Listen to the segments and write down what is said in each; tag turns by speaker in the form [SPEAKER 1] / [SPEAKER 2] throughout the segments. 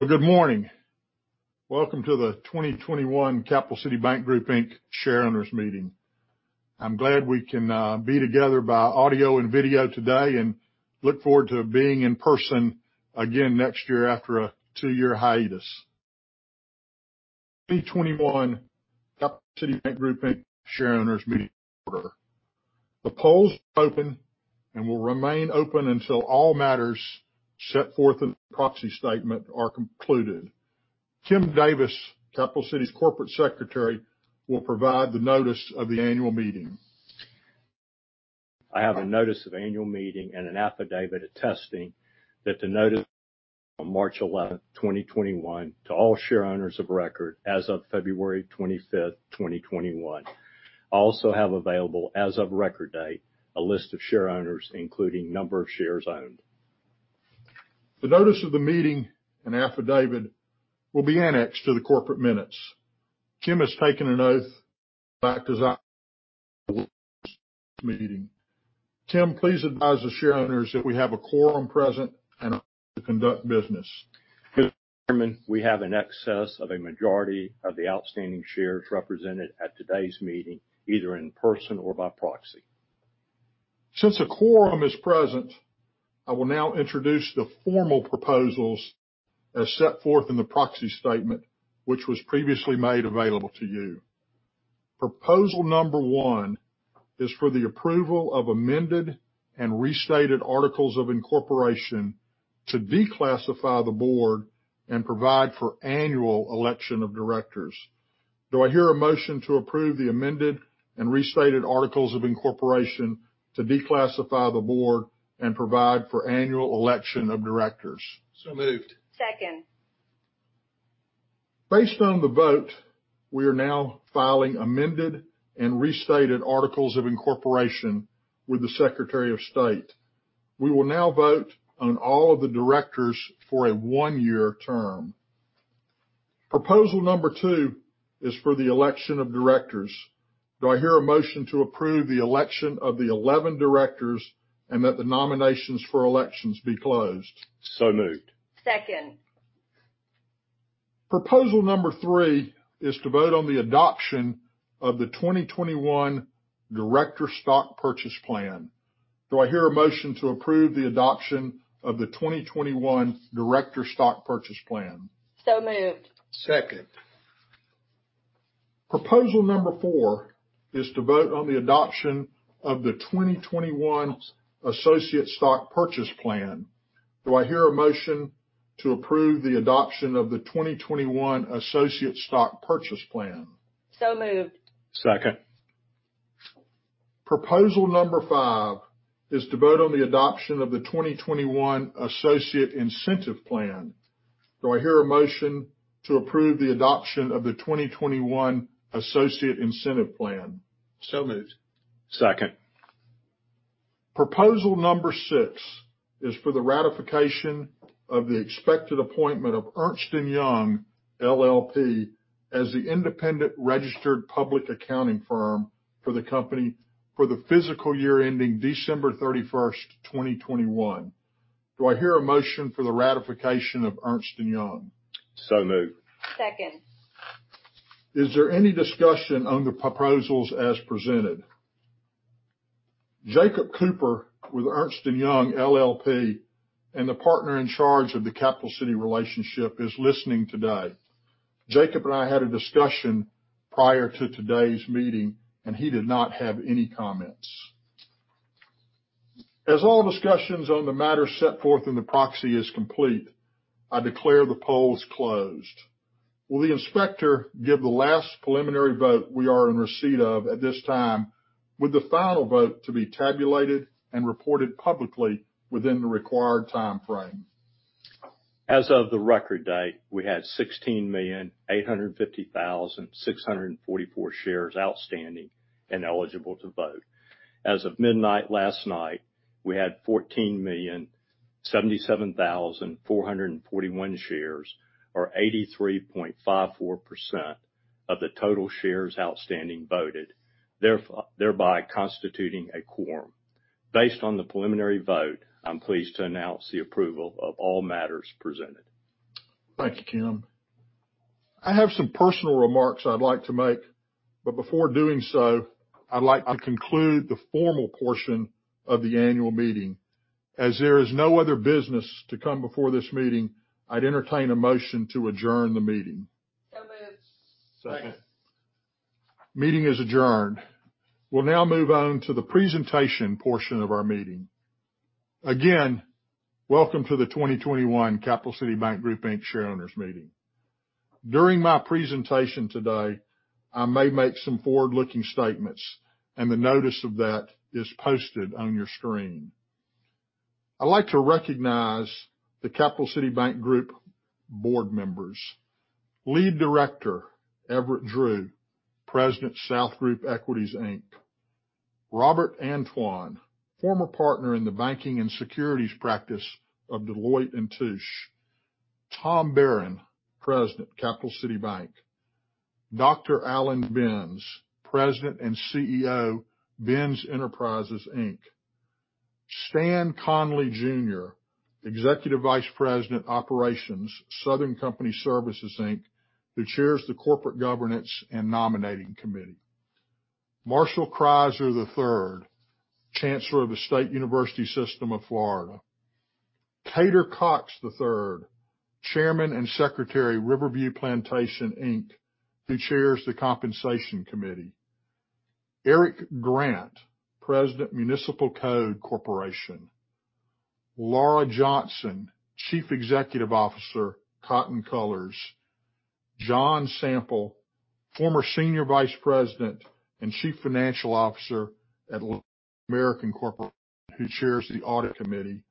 [SPEAKER 1] Well, good morning. Welcome to the 2021 Capital City Bank Group, Inc. Shareowners Meeting. I'm glad we can be together by audio and video today, and look forward to being in person again next year after a two-year hiatus. The 2021 Capital City Bank Group, Inc. Shareowners Meeting will come to order. The polls are open and will remain open until all matters set forth in the proxy statement are concluded. Tim Davis, Capital City's Corporate Secretary, will provide the notice of the annual meeting.
[SPEAKER 2] I have a notice of annual meeting and an affidavit attesting that the notice of March 11th, 2021, to all share owners of record as of February 25th, 2021. I also have available, as of record date, a list of share owners, including number of shares owned.
[SPEAKER 1] The notice of the meeting and affidavit will be annexed to the corporate minutes. Tim has taken an oath to facilitate this meeting. Tim, please advise the share owners that we have a quorum present and to conduct business.
[SPEAKER 2] Mr. Chairman, we have in excess of a majority of the outstanding shares represented at today's meeting, either in person or by proxy.
[SPEAKER 1] Since a quorum is present, I will now introduce the formal proposals as set forth in the proxy statement, which was previously made available to you. Proposal number 1 is for the approval of amended and restated articles of incorporation to declassify the board and provide for annual election of directors. Do I hear a motion to approve the amended and restated articles of incorporation to declassify the board and provide for annual election of directors?
[SPEAKER 3] Moved. Second.
[SPEAKER 1] Based on the vote, we are now filing amended and restated articles of incorporation with the Secretary of State. We will now vote on all of the directors for a one-year term. Proposal number 2 is for the election of directors. Do I hear a motion to approve the election of the 11 directors, and that the nominations for elections be closed?
[SPEAKER 3] Moved. Second.
[SPEAKER 1] Proposal number 3 is to vote on the adoption of the 2021 Director Stock Purchase Plan. Do I hear a motion to approve the adoption of the 2021 Director Stock Purchase Plan?
[SPEAKER 3] Moved. Second.
[SPEAKER 1] Proposal number 4 is to vote on the adoption of the 2021 Associate Stock Purchase Plan. Do I hear a motion to approve the adoption of the 2021 Associate Stock Purchase Plan?
[SPEAKER 3] Moved. Second.
[SPEAKER 1] Proposal number 5 is to vote on the adoption of the 2021 Associate Incentive Plan. Do I hear a motion to approve the adoption of the 2021 Associate Incentive Plan?
[SPEAKER 3] Moved. Second.
[SPEAKER 1] Proposal number 6 is for the ratification of the expected appointment of Ernst & Young LLP as the independent registered public accounting firm for the company for the fiscal year ending December 31st, 2021. Do I hear a motion for the ratification of Ernst & Young?
[SPEAKER 3] Moved. Second.
[SPEAKER 1] Is there any discussion on the proposals as presented? Jacob Cooper with Ernst & Young LLP and the partner in charge of the Capital City relationship is listening today. Jacob and I had a discussion prior to today's meeting. He did not have any comments. As all discussions on the matter set forth in the proxy is complete, I declare the polls closed. Will the inspector give the last preliminary vote we are in receipt of at this time, with the final vote to be tabulated and reported publicly within the required timeframe?
[SPEAKER 2] As of the record date, we had 16,850,644 shares outstanding and eligible to vote. As of midnight last night, we had 14,077,441 shares or 83.54% of the total shares outstanding voted, thereby constituting a quorum. Based on the preliminary vote, I'm pleased to announce the approval of all matters presented.
[SPEAKER 1] Thank you, Tim. I have some personal remarks I'd like to make, but before doing so, I'd like to conclude the formal portion of the annual meeting. As there is no other business to come before this meeting, I'd entertain a motion to adjourn the meeting.
[SPEAKER 3] Moved. Second.
[SPEAKER 1] Meeting is adjourned. We'll now move on to the presentation portion of our meeting. Again, welcome to the 2021 Capital City Bank Group, Inc. Shareowners Meeting. During my presentation today, I may make some forward-looking statements, and the notice of that is posted on your screen. I'd like to recognize the Capital City Bank Group board members. Lead Director, Everitt Drew, President, SouthGroup Equities, Inc. Robert Antoine, former partner in the banking and securities practice of Deloitte & Touche. Tom Barron, President, Capital City Bank. Dr. Allan Bense, President and CEO, Bense Enterprises, Inc. Stan Connally Jr., Executive Vice President, Operations, Southern Company Services, Inc., who chairs the Corporate Governance and Nominating Committee. Marshall Criser III, Chancellor of the State University System of Florida. Cader Cox III, Chairman and Secretary, Riverview Plantation, Inc., who chairs the Compensation Committee. Eric Grant, President, Municipal Code Corporation. Laura Johnson, Chief Executive Officer, Coton Colors. John Sample Jr., former Senior Vice President and Chief Financial Officer at Atlantic American Corporation, who chairs the Audit Committee,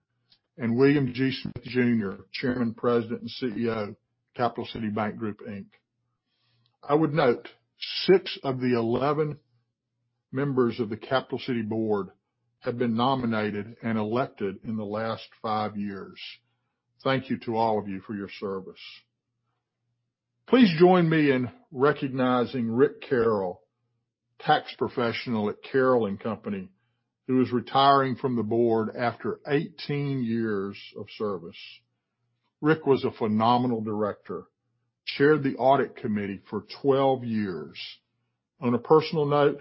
[SPEAKER 1] and William G. Smith Jr., Chairman, President, and CEO of Capital City Bank Group, Inc. I would note six of the 11 members of the Capital City Bank Group Board have been nominated and elected in the last five years. Thank you to all of you for your service. Please join me in recognizing Rick Carroll, tax professional at Carroll and Company, who is retiring from the board after 18 years of service. Rick was a phenomenal director, chaired the Audit Committee for 12 years. On a personal note,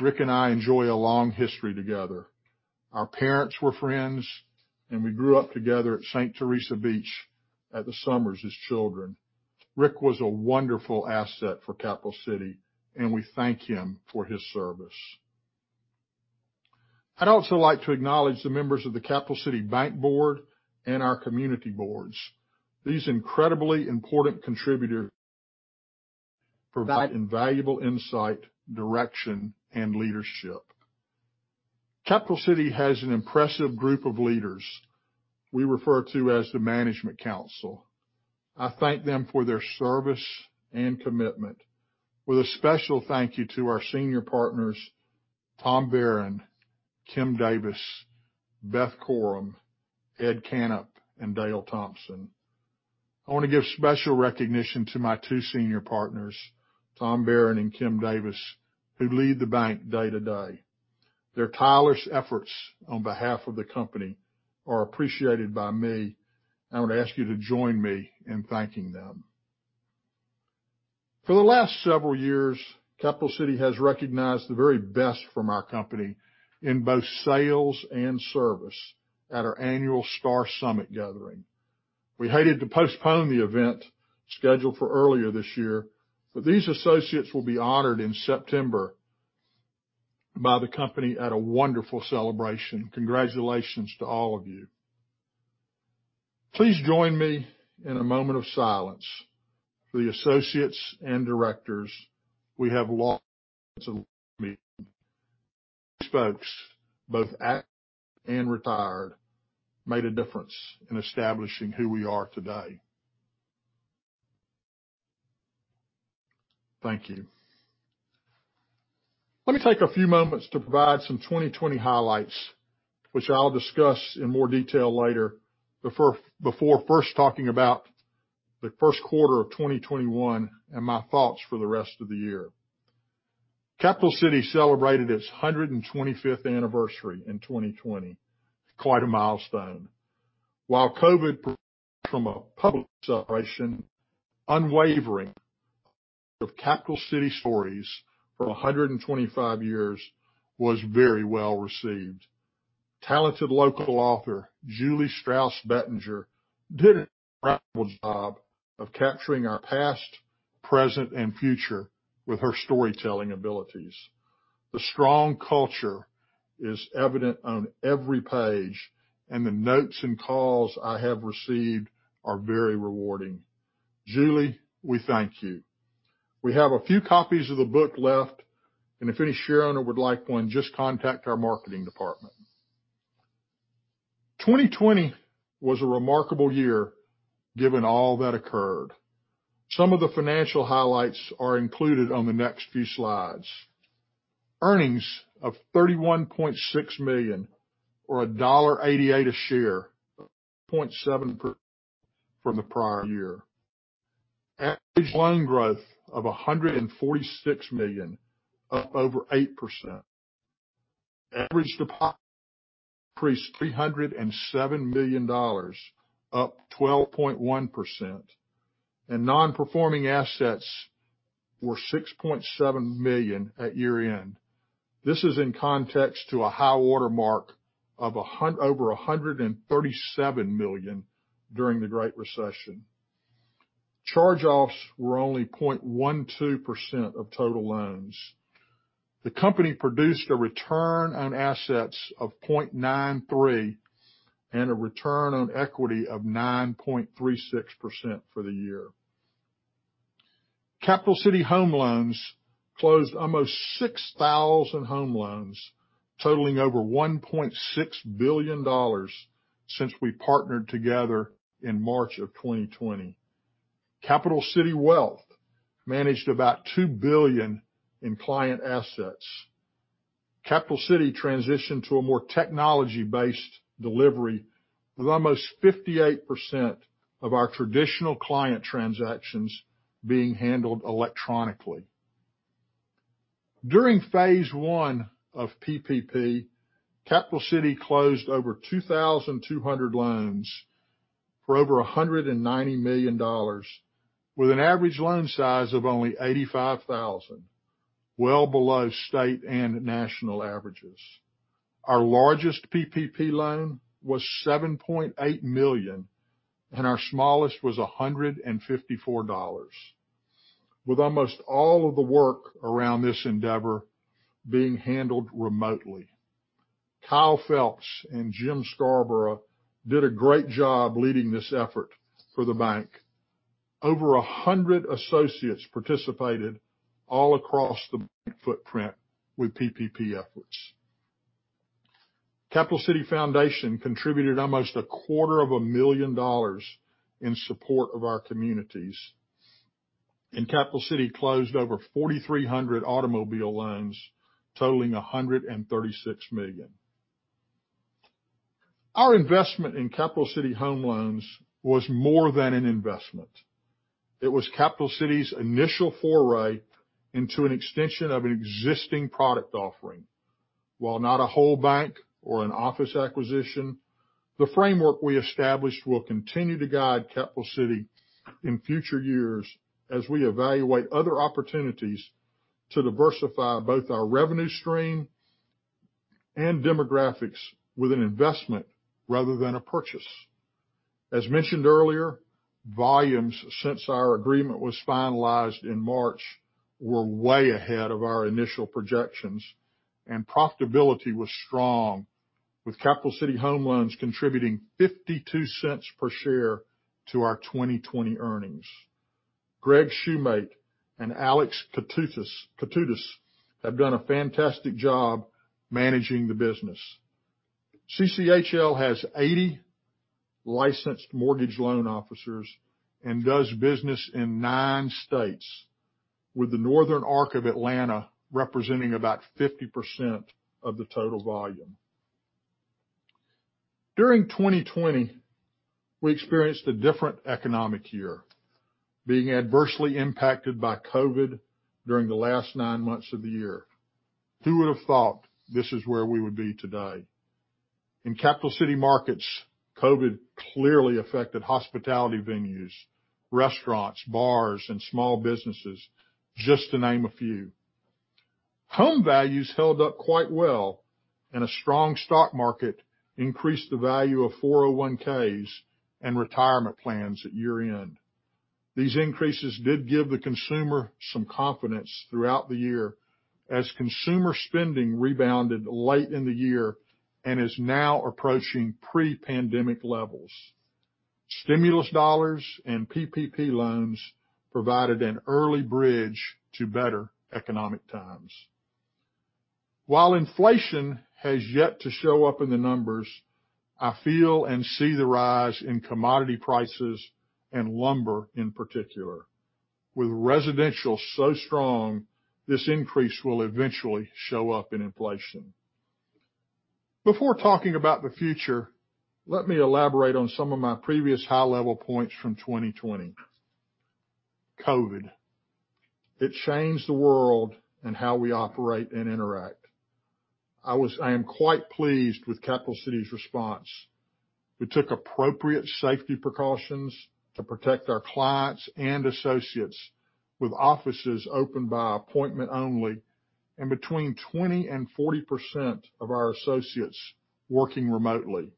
[SPEAKER 1] Rick and I enjoy a long history together. Our parents were friends, and we grew up together at St. Teresa Beach at the summers as children. Rick was a wonderful asset for Capital City Bank, and we thank him for his service. I'd also like to acknowledge the members of the Capital City Bank board and our community boards. These incredibly important contributors provide invaluable insight, direction, and leadership. Capital City Bank has an impressive group of leaders we refer to as the Management Council. I thank them for their service and commitment with a special thank you to our senior partners, Tom Barron, Tim Davis, Beth Corum, Ed Canup, and Dale Thompson. I want to give special recognition to my two senior partners, Tom Barron and Tim Davis, who lead the bank day to day. Their tireless efforts on behalf of the company are appreciated by me. I would ask you to join me in thanking them. For the last several years, Capital City has recognized the very best from our company in both sales and service at our annual Star Summit gathering. We hated to postpone the event scheduled for earlier this year, but these associates will be honored in September by the company at a wonderful celebration. Congratulations to all of you. Please join me in a moment of silence for the associates and directors we have lost. These folks, both active and retired, made a difference in establishing who we are today. Thank you. Let me take a few moments to provide some 2020 highlights, which I'll discuss in more detail later before first talking about the first quarter of 2021 and my thoughts for the rest of the year. Capital City celebrated its 125th anniversary in 2020. Quite a milestone. While COVID prevented us from a public celebration, "Unwavering: Stories of Capital City" for 125 years was very well-received. Talented local author, Julie Strauss Bettinger, did an incredible job of capturing our past, present, and future with her storytelling abilities. The strong culture is evident on every page, and the notes and calls I have received are very rewarding. Julie, we thank you. We have a few copies of the book left, and if any shareowner would like one, just contact our marketing department. 2020 was a remarkable year, given all that occurred. Some of the financial highlights are included on the next few slides. Earnings of $31.6 million or a $1.88 a share, up 0.7% from the prior year. Average loan growth of $146 million, up over 8%. Average deposit increased $307 million, up 12.1%, and non-performing assets were $6.7 million at year-end. This is in context to a high-water mark of over $137 million during the Great Recession. Charge-offs were only 0.12% of total loans. The company produced a return on assets of 0.93% and a return on equity of 9.36% for the year. Capital City Home Loans closed almost 6,000 home loans totaling over $1.6 billion since we partnered together in March of 2020. Capital City Wealth managed about $2 billion in client assets. Capital City transitioned to a more technology-based delivery with almost 58% of our traditional client transactions being handled electronically. During Phase 1 of PPP, Capital City closed over 2,200 loans for over $190 million, with an average loan size of only $85,000, well below state and national averages. Our largest PPP loan was $7.8 million, and our smallest was $154, with almost all of the work around this endeavor being handled remotely. Kyle Phelps and Jim Scarborough did a great job leading this effort for the bank. Over 100 associates participated all across the bank footprint with PPP efforts. Capital City Foundation contributed almost a quarter of a million dollars in support of our communities. Capital City closed over 4,300 automobile loans totaling $136 million. Our investment in Capital City Home Loans was more than an investment. It was Capital City's initial foray into an extension of an existing product offering. While not a whole bank or an office acquisition, the framework we established will continue to guide Capital City in future years as we evaluate other opportunities to diversify both our revenue stream and demographics with an investment rather than a purchase. As mentioned earlier, volumes since our agreement was finalized in March were way ahead of our initial projections, and profitability was strong, with Capital City Home Loans contributing $0.52 per share to our 2020 earnings. Greg Shumate and Alex Koutouzis have done a fantastic job managing the business. CCHL has 80 licensed mortgage loan officers and does business in nine states, with the northern arc of Atlanta representing about 50% of the total volume. During 2020, we experienced a different economic year, being adversely impacted by COVID during the last nine months of the year. Who would have thought this is where we would be today? In Capital City markets, COVID clearly affected hospitality venues, restaurants, bars, and small businesses, just to name a few. Home values held up quite well, and a strong stock market increased the value of 401(k)s and retirement plans at year-end. These increases did give the consumer some confidence throughout the year as consumer spending rebounded late in the year and is now approaching pre-pandemic levels. Stimulus dollars and PPP loans provided an early bridge to better economic times. While inflation has yet to show up in the numbers, I feel and see the rise in commodity prices and lumber in particular. With residential so strong, this increase will eventually show up in inflation. Before talking about the future, let me elaborate on some of my previous high-level points from 2020. COVID. It changed the world and how we operate and interact. I am quite pleased with Capital City's response. We took appropriate safety precautions to protect our clients and associates, with offices open by appointment only and between 20% and 40% of our associates working remotely.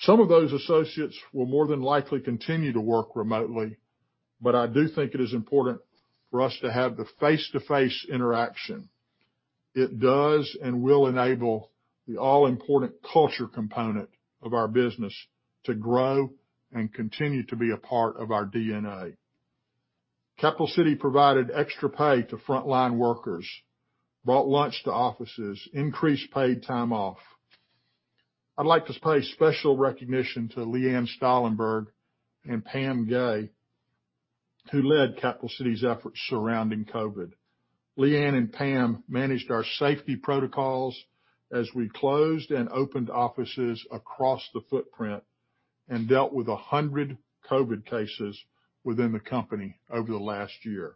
[SPEAKER 1] Some of those associates will more than likely continue to work remotely, but I do think it is important for us to have the face-to-face interaction. It does and will enable the all-important culture component of our business to grow and continue to be a part of our DNA. Capital City provided extra pay to frontline workers, brought lunch to offices, increased paid time off. I'd like to pay special recognition to LeAnne Staalenburg and Pam Gay, who led Capital City's efforts surrounding COVID. LeAnne and Pam managed our safety protocols as we closed and opened offices across the footprint and dealt with 100 COVID cases within the company over the last year.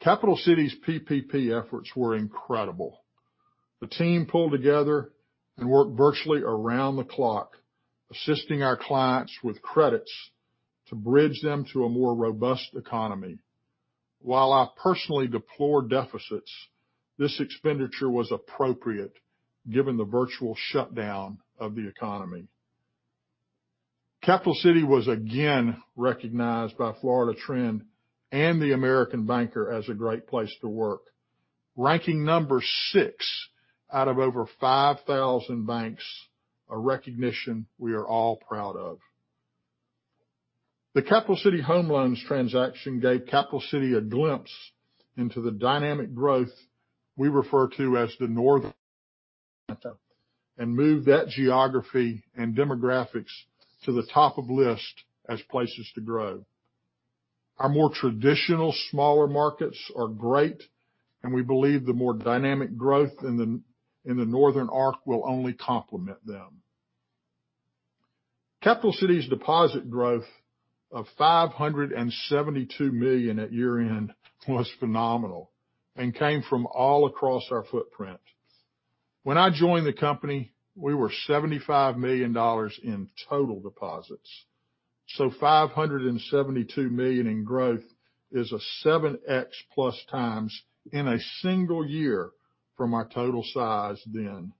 [SPEAKER 1] Capital City's PPP efforts were incredible. The team pulled together and worked virtually around the clock, assisting our clients with credits to bridge them to a more robust economy. While I personally deplore deficits, this expenditure was appropriate given the virtual shutdown of the economy. Capital City was again recognized by Florida Trend and the American Banker as a great place to work, ranking number 6 out of over 5,000 banks, a recognition we are all proud of. The Capital City Home Loans transaction gave Capital City a glimpse into the dynamic growth we refer to as the northern arc, and moved that geography and demographics to the top of list as places to grow. Our more traditional, smaller markets are great, and we believe the more dynamic growth in the northern arc will only complement them. Capital City's deposit growth of $572 million at year-end was phenomenal and came from all across our footprint. When I joined the company, we were $75 million in total deposits. $572 million in growth is a 7x plus times in a single year from our total size then.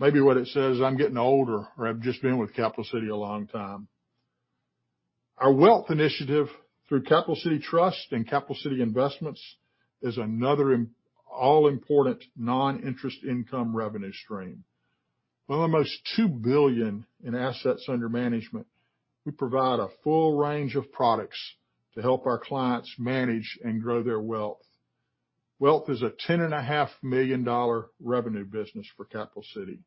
[SPEAKER 1] Maybe what it says is I'm getting older or I've just been with Capital City a long time. Our wealth initiative through Capital City Trust and Capital City Investments is another all-important non-interest income revenue stream. With almost $2 billion in assets under management, we provide a full range of products to help our clients manage and grow their wealth. Wealth is a $10.5 million revenue business for Capital City.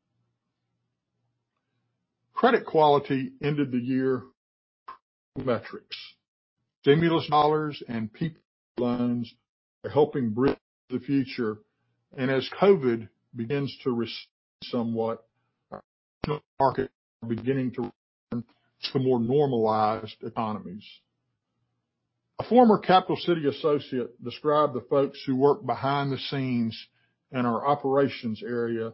[SPEAKER 1] Credit quality ended the year metrics. Stimulus dollars and loans are helping bridge the future, and as COVID begins to recede somewhat, our markets are beginning to return to more normalized economies. A former Capital City associate described the folks who work behind the scenes in our operations area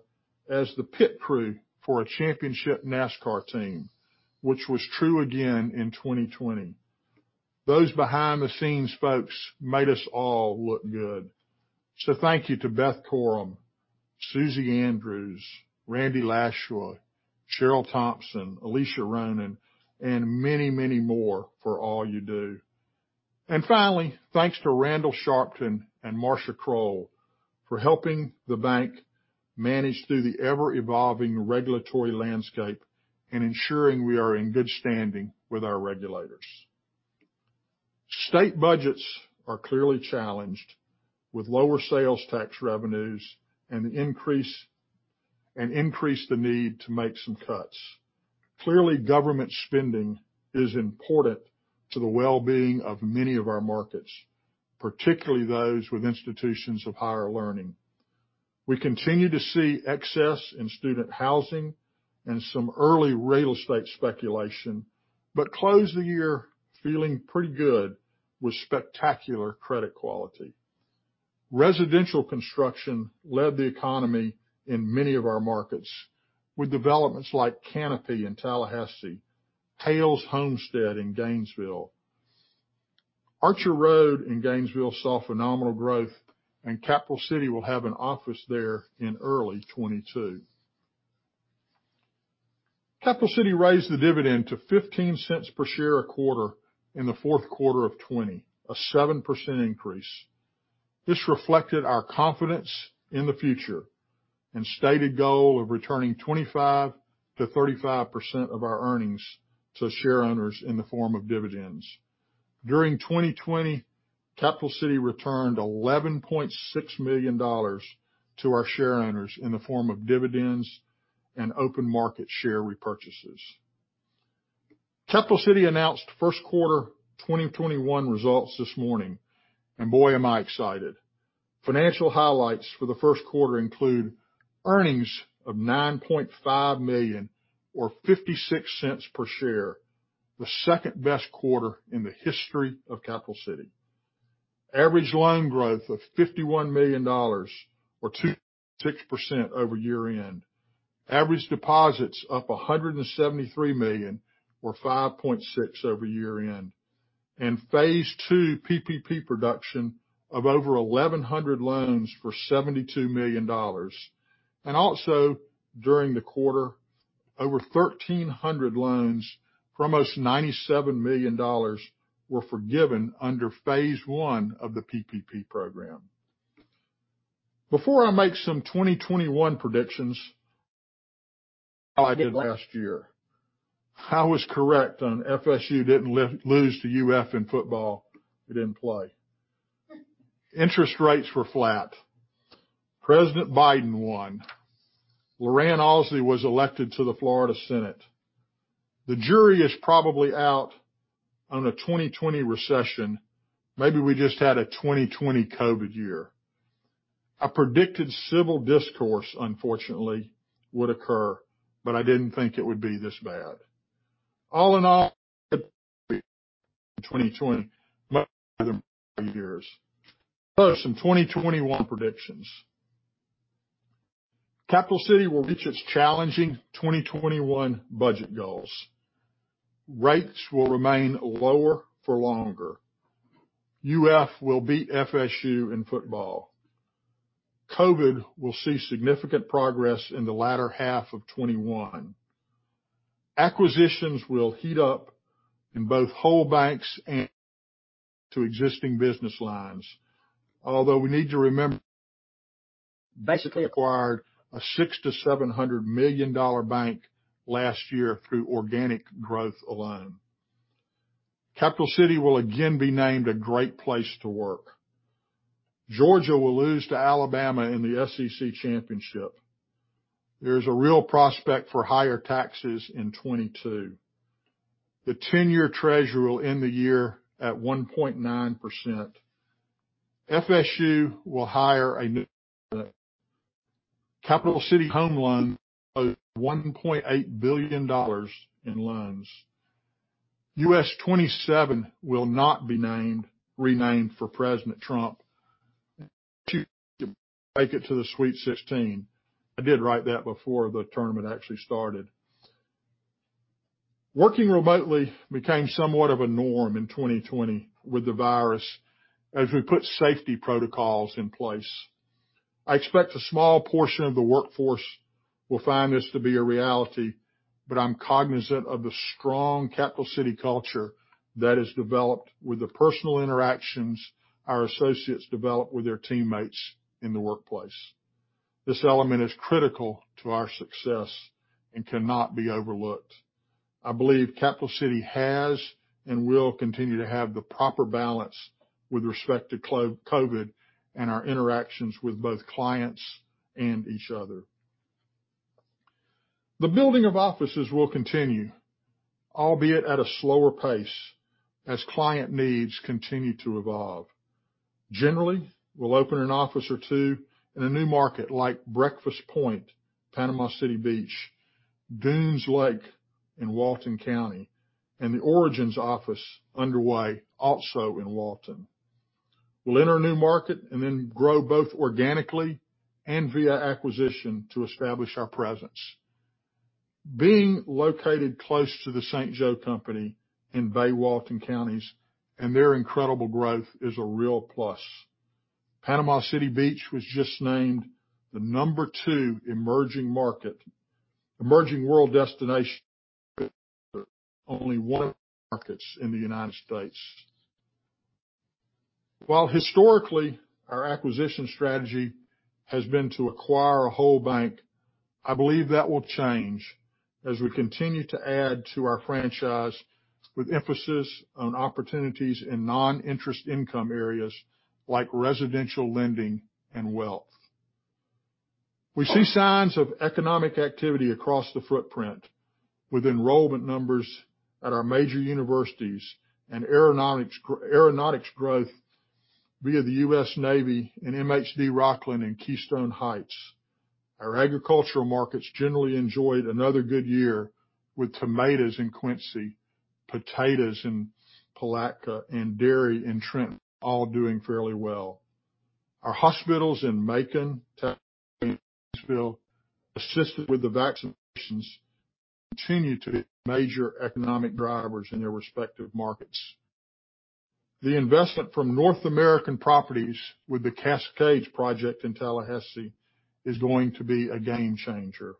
[SPEAKER 1] as the pit crew for a championship NASCAR team, which was true again in 2020. Those behind-the-scenes folks made us all look good. Thank you to Beth Corum, Susie Andrews, Randy Lashua, Cheryl Thompson, Alicia Ronan, and many, many more for all you do. Finally, thanks to Randall Sharpton and Marsha Kroll for helping the bank manage through the ever-evolving regulatory landscape and ensuring we are in good standing with our regulators. State budgets are clearly challenged with lower sales tax revenues, and increase the need to make some cuts. Clearly, government spending is important to the well-being of many of our markets, particularly those with institutions of higher learning. We continue to see excess in student housing and some early real estate speculation, but closed the year feeling pretty good with spectacular credit quality. Residential construction led the economy in many of our markets with developments like Canopy in Tallahassee, Historic Haile Homestead in Gainesville. Archer Road in Gainesville saw phenomenal growth, and Capital City will have an office there in early 2022. Capital City raised the dividend to $0.15 per share a quarter in the fourth quarter of 2020, a 7% increase. This reflected our confidence in the future and stated goal of returning 25%-35% of our earnings to shareowners in the form of dividends. During 2020, Capital City returned $11.6 million to our shareowners in the form of dividends and open-market share repurchases. Capital City announced first quarter 2021 results this morning, and boy, am I excited. Financial highlights for the first quarter include earnings of $9.5 million or $0.56 per share, the second-best quarter in the history of Capital City. Average loan growth of $51 million or 26% over year-end. Average deposits up $173 million or 5.6% over year-end. Phase 2 PPP production of over 1,100 loans for $72 million. Also during the quarter, over 1,300 loans for almost $97 million were forgiven under Phase 1 of the PPP program. Before I make some 2021 predictions, how I did last year. I was correct on FSU didn't lose to UF in football. They didn't play. Interest rates were flat. President Biden won. Loranne Ausley was elected to the Florida Senate. The jury is probably out on a 2020 recession. Maybe we just had a 2020 COVID year. I predicted civil discourse, unfortunately, would occur, but I didn't think it would be this bad. All in all, in 2020, most of the years. Some 2021 predictions. Capital City will reach its challenging 2021 budget goals. Rates will remain lower for longer. UF will beat FSU in football. COVID will see significant progress in the latter half of 2021. Acquisitions will heat up in both whole banks and to existing business lines. Although we need to remember basically acquired a $600 million-$700 million bank last year through organic growth alone. Capital City will again be named a great place to work. Georgia will lose to Alabama in the SEC Championship. There is a real prospect for higher taxes in 2022. The 10-year Treasury will end the year at 1.9%. FSU will hire a new, Capital City Home Loans closed $1.8 billion in loans. U.S. 27 will not be renamed for President Trump. Make it to the Sweet 16. I did write that before the tournament actually started. Working remotely became somewhat of a norm in 2020 with the virus as we put safety protocols in place. I'm cognizant of the strong Capital City culture that has developed with the personal interactions our associates develop with their teammates in the workplace. This element is critical to our success and cannot be overlooked. I believe Capital City has and will continue to have the proper balance with respect to COVID and our interactions with both clients and each other. The building of offices will continue, albeit at a slower pace as client needs continue to evolve. Generally, we'll open an office or two in a new market like Breakfast Point, Panama City Beach, Dune Lakes in Walton County, and the Origins office underway also in Walton. We'll enter a new market and then grow both organically and via acquisition to establish our presence. Being located close to The St. Joe Company in Bay-Walton counties, and their incredible growth is a real plus. Panama City Beach was just named the number 2 emerging world destination, with only one of the markets in the United States. While historically, our acquisition strategy has been to acquire a whole bank, I believe that will change as we continue to add to our franchise with emphasis on opportunities in non-interest income areas like residential lending and wealth. We see signs of economic activity across the footprint with enrollment numbers at our major universities and aeronautics growth via the United States Navy and MHD-Rockland Inc. and Keystone Heights. Our agricultural markets generally enjoyed another good year with tomatoes in Quincy, potatoes in Palatka, and dairy in Trenton all doing fairly well. Our hospitals in Macon, Tallahassee, and Gainesville, assisted with the vaccinations, continue to be major economic drivers in their respective markets. The investment from North American Properties with the Cascades project in Tallahassee is going to be a game changer.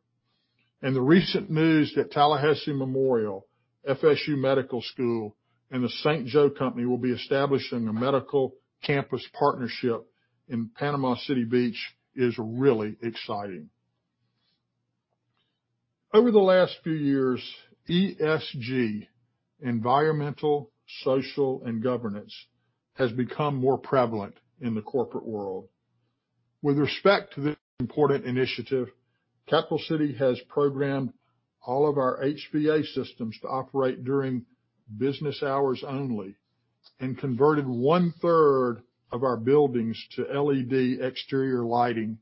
[SPEAKER 1] The recent news that Tallahassee Memorial HealthCare, Florida State University College of Medicine, and The St. Joe Company will be establishing a medical campus partnership in Panama City Beach is really exciting. Over the last few years, ESG, environmental, social, and governance, has become more prevalent in the corporate world. With respect to this important initiative, Capital City has programmed all of our HVAC systems to operate during business hours only and converted one-third of our buildings to LED exterior lighting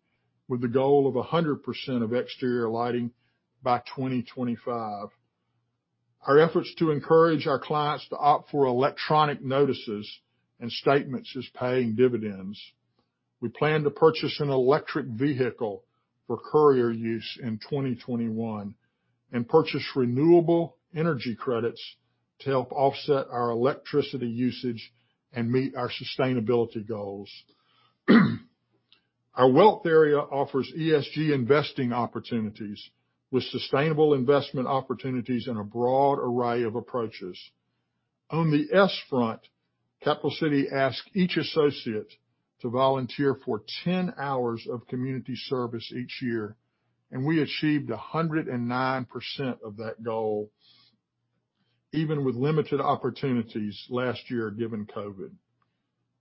[SPEAKER 1] with the goal of 100% of exterior lighting by 2025. Our efforts to encourage our clients to opt for electronic notices and statements is paying dividends. We plan to purchase an electric vehicle for courier use in 2021 and purchase renewable energy credits to help offset our electricity usage and meet our sustainability goals. Our wealth area offers ESG investing opportunities with sustainable investment opportunities and a broad array of approaches. On the S front, Capital City asked each associate to volunteer for 10 hours of community service each year, and we achieved 109% of that goal, even with limited opportunities last year, given COVID.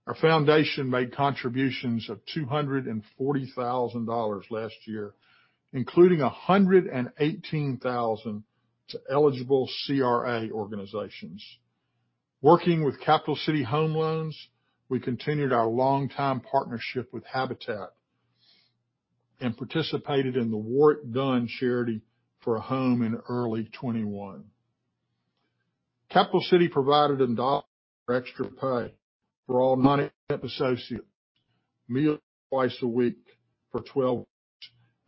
[SPEAKER 1] Our foundation made contributions of $240,000 last year, including $118,000 to eligible CRA organizations. Working with Capital City Home Loans, we continued our longtime partnership with Habitat and participated in the Warrick Dunn Charities for a home in early 2021. Capital City provided $1 for extra pay for all non-exempt associates, meals twice a week for 12 weeks,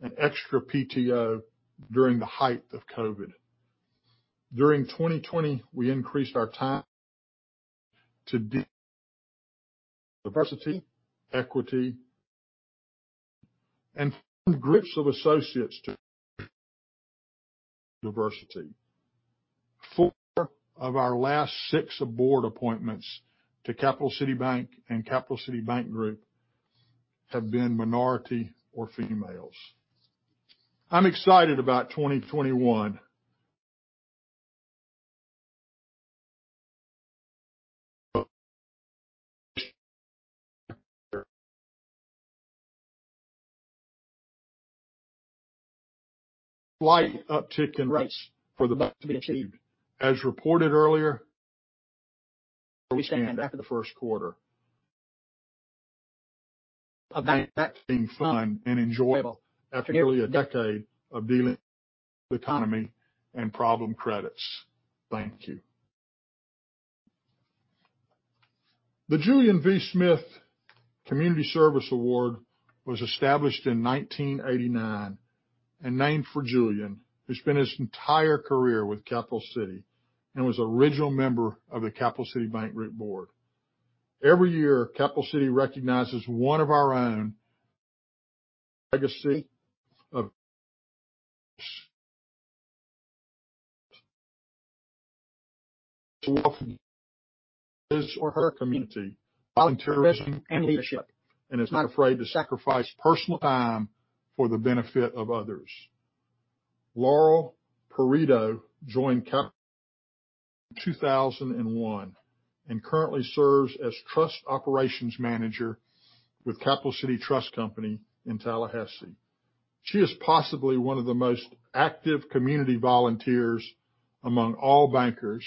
[SPEAKER 1] and extra PTO during the height of COVID. During 2020, we increased our time to diversity, equity, and formed groups of associates to diversity. Four of our last six board appointments to Capital City Bank and Capital City Bank Group have been minority or females. I'm excited about 2021. Slight uptick in rates for the best to be achieved. As reported earlier. Where we stand after the first quarter. Banking is fun and enjoyable after nearly a decade of dealing with economy and problem credits. Thank you. The Julian V. Smith Community Service Award was established in 1989 and named for Julian, who spent his entire career with Capital City and was an original member of the Capital City Bank Group board. Every year, Capital City recognizes one of our own legacy of his or her community, volunteering and leadership, and is not afraid to sacrifice personal time for the benefit of others. Laurel Perido joined Cap 2001, and currently serves as trust operations manager with Capital City Trust Company in Tallahassee. She is possibly one of the most active community volunteers among all bankers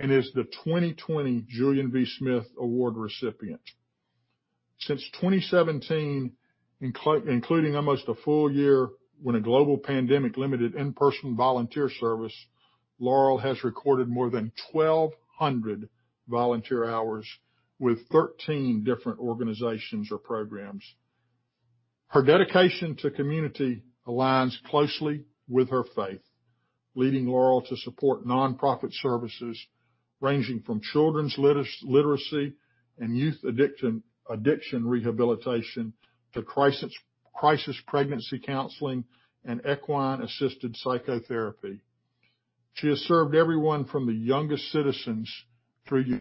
[SPEAKER 1] and is the 2020 Julian V. Smith Award recipient. Since 2017, including almost a full year when a global pandemic limited in-person volunteer service, Laurel has recorded more than 1,200 volunteer hours with 13 different organizations or programs. Her dedication to community aligns closely with her faith, leading Laurel to support nonprofit services ranging from children's literacy and youth addiction rehabilitation to crisis pregnancy counseling and equine-assisted psychotherapy. She has served everyone from the youngest citizens through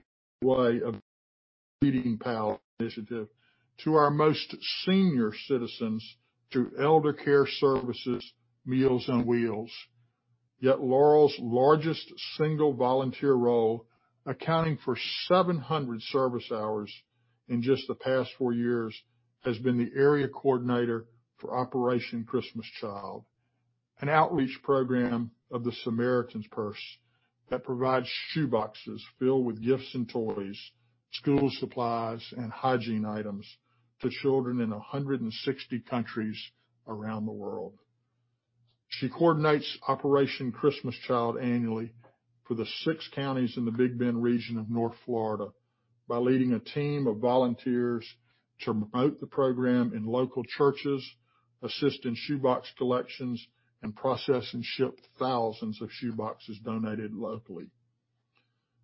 [SPEAKER 1] power initiative, to our most senior citizens through elder care services, Meals on Wheels. Yet Laurel's largest single volunteer role, accounting for 700 service hours in just the past four years, has been the area coordinator for Operation Christmas Child, an outreach program of the Samaritan's Purse that provides shoeboxes filled with gifts and toys, school supplies, and hygiene items to children in 160 countries around the world. She coordinates Operation Christmas Child annually for the six counties in the Big Bend region of North Florida by leading a team of volunteers to promote the program in local churches, assist in shoebox collections, and process and ship thousands of shoeboxes donated locally.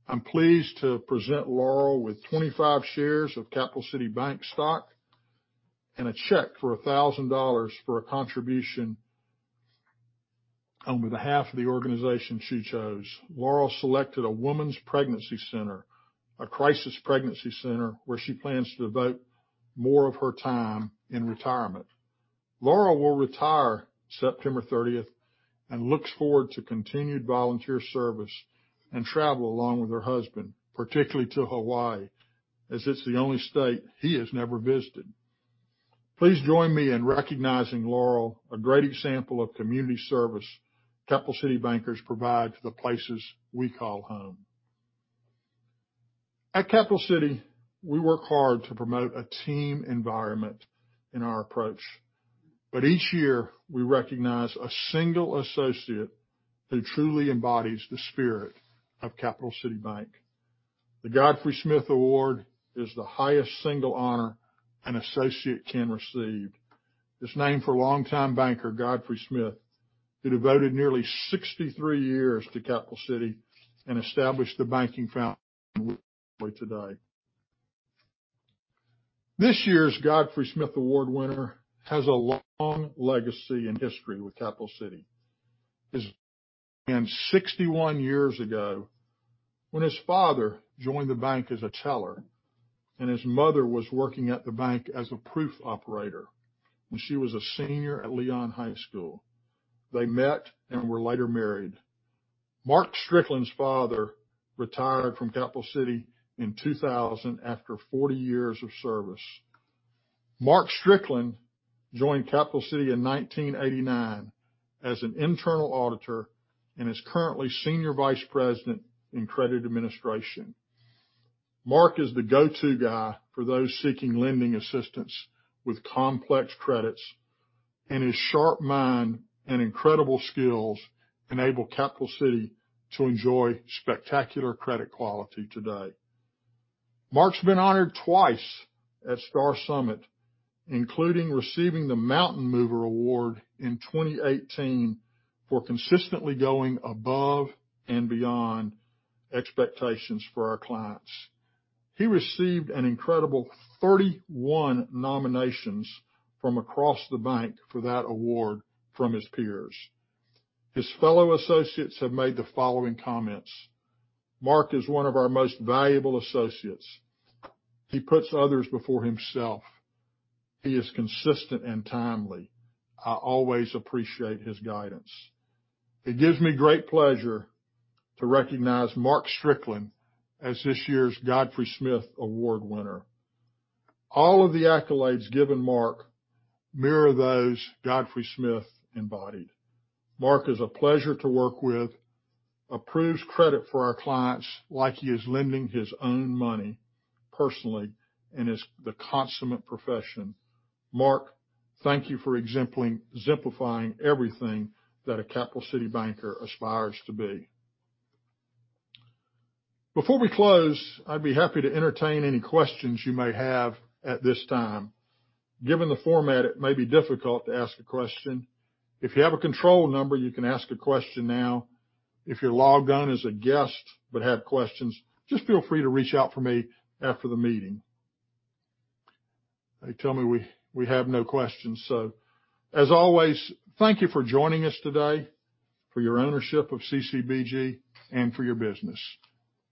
[SPEAKER 1] I'm pleased to present Laurel with 25 shares of Capital City Bank stock and a check for $1,000 for a contribution on behalf of the organization she chose. Laurel selected a woman's pregnancy center, a crisis pregnancy center, where she plans to devote more of her time in retirement. Laurel will retire September 30th and looks forward to continued volunteer service and travel along with her husband, particularly to Hawaii, as it's the only state he has never visited. Please join me in recognizing Laurel, a great example of community service Capital City bankers provide to the places we call home. At Capital City, we work hard to promote a team environment in our approach. Each year, we recognize a single associate who truly embodies the spirit of Capital City Bank. The Godfrey Smith Award is the highest single honor an associate can receive. It's named for longtime banker Godfrey Smith, who devoted nearly 63 years to Capital City and established the banking foundation we enjoy today. This year's Godfrey Smith Award winner has a long legacy and history with Capital City. 61 years ago when his father joined the bank as a teller, and his mother was working at the bank as a proof operator when she was a senior at Leon High School. They met and were later married. Mark Strickland's father retired from Capital City in 2000 after 40 years of service. Mark Strickland joined Capital City in 1989 as an internal auditor and is currently Senior Vice President in Credit Administration. Mark is the go-to guy for those seeking lending assistance with complex credits, and his sharp mind and incredible skills enable Capital City to enjoy spectacular credit quality today. Mark's been honored twice at Star Summit, including receiving the Mountain Mover Award in 2018 for consistently going above and beyond expectations for our clients. He received an incredible 31 nominations from across the bank for that award from his peers. His fellow associates have made the following comments: "Mark is one of our most valuable associates. He puts others before himself. He is consistent and timely. I always appreciate his guidance." It gives me great pleasure to recognize Mark Strickland as this year's Godfrey Smith Award winner. All of the accolades given Mark mirror those Godfrey Smith embodied. Mark is a pleasure to work with, approves credit for our clients like he is lending his own money personally, and is the consummate professional. Mark, thank you for exemplifying everything that a Capital City banker aspires to be. Before we close, I'd be happy to entertain any questions you may have at this time. Given the format, it may be difficult to ask a question. If you have a control number, you can ask a question now. If you're logged on as a guest but have questions, just feel free to reach out for me after the meeting. They tell me we have no questions. As always, thank you for joining us today, for your ownership of CCBG, and for your business.